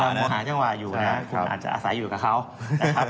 เราหาจังหวะอยู่นะคุณอาจจะอาศัยอยู่กับเขานะครับ